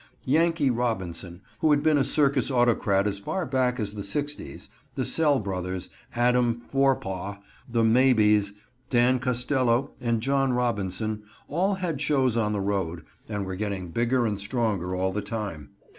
"Yankee" Robinson, who had been a circus autocrat as far back as the sixties, the Sells Brothers, Adam Forepaugh, the Mabies, Dan Costello, and John Robinson, all had shows on the road, and were getting bigger and stronger all the time.